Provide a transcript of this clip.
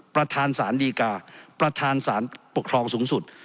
ประธานสารดีกาประธานสารปกครองสูงสุด